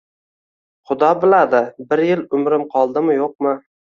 Xudo biladi, bir yil umrim qoldimi-yoʻqmi